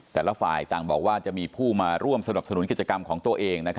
แต่ละฝ่ายต่างบอกว่าจะมีผู้มาร่วมสนับสนุนกิจกรรมของตัวเอง